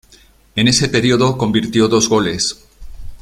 En ese período convirtió dos goles.